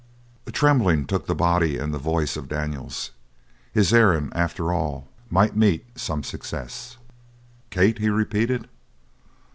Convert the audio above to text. A trembling took the body and the voice of Daniels; his errand, after all, might meet some success. "Kate?" he repeated.